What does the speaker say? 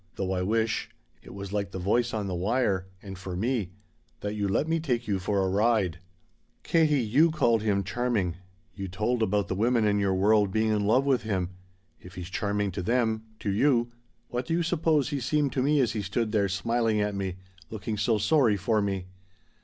Though I wish' it was like the voice on the wire and for me 'that you'd let me take you for a ride.' "Katie, you called him charming. You told about the women in your world being in love with him. If he's charming to them to you what do you suppose he seemed to me as he stood there smiling at me looking so sorry for me